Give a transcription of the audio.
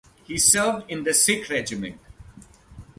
He served in the Sikh Regiment.